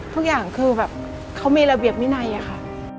ทุกอย่างคือแบบเขามีระเบียบวินัยอะค่ะ